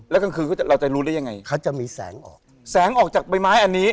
แล้วกลางคืนก็จะเราจะรู้ได้ยังไงเขาจะมีแสงออกแสงออกจากใบไม้อันนี้